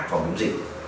phòng chống dịch